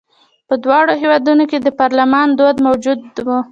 په دواړو هېوادونو کې د پارلمان دود موجود و.